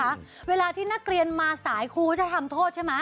ว่าเวลาที่นักเรียนมาสายครูจะทำโทษใช่มะ